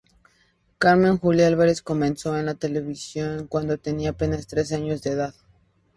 Carmen Julia Álvarez comenzó en la televisión cuando tenía apenas tres años de edad.